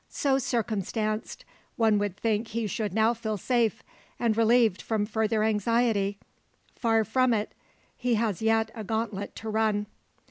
So circumstanced, one would think he should now feel safe, and relieved from further anxiety. Far from it: he has yet a gauntlet to run.